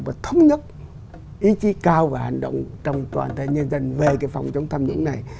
và thống nhất ý chí cao và hành động trong toàn thể nhân dân về cái phòng chống tham nhũng này